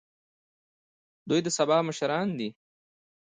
دوی د سبا مشران دي